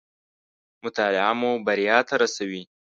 مطالعه مو بريا ته راسوي